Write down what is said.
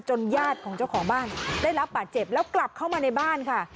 ญาติของเจ้าของบ้านได้รับบาดเจ็บแล้วกลับเข้ามาในบ้านค่ะ